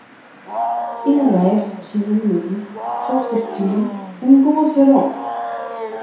Yn 'e lêste tsien minuten focht it team him goed werom.